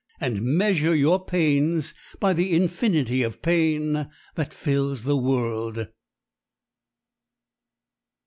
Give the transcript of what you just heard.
And measure your pains by the infinity of pain that fills the world.